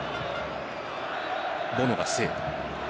ボノがセーブ。